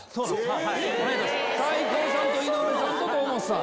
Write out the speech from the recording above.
斎藤さんと井上さんと堂本さん。